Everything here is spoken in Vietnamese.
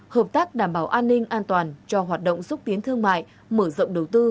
hợp tác đảm bảo an ninh an toàn cho hoạt động xúc tiến thương mại mở rộng đầu tư